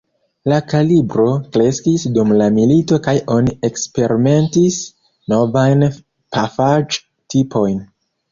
La kalibro kreskis dum la milito kaj oni eksperimentis novajn pafaĵ-tipojn.